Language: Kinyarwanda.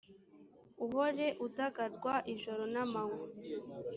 uhore udagadwa ijoro n’amanywa,